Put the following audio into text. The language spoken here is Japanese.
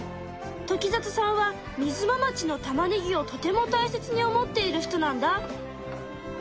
時里さんはみづま町のたまねぎをとても大切に思っている人なんだ。